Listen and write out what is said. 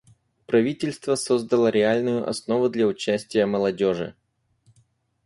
Правительство создало реальную основу для участия молодежи.